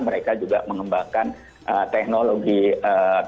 mereka juga mengembangkan teknologi ee